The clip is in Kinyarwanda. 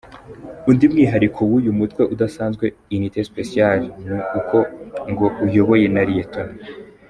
Undi mwihariko w’uyu mutwe udasanzwe “unité special”, ni uko ngo uyobowe na Lt.